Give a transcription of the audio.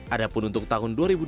adapun untuk tahun dua ribu dua puluh